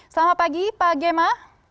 selamat pagi pak gemma